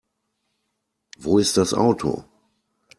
Wo ist das Auto?